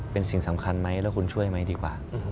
เป็นสิ่งสำคัญไหมแล้วคุณช่วยไหมดีกว่า